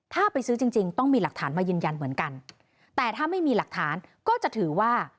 ถ้าไปซื้อจริงจริงต้องมีหลักฐานมายืนยันเหมือนกันแต่ถ้าไม่มีหลักฐานก็จะถือว่า